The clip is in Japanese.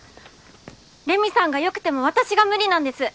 レミさんが良くても私が無理なんです。